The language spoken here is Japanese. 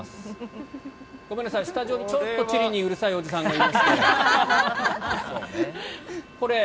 ごめんなさい、スタジオにちょっと地理にうるさいおじさんがいまして。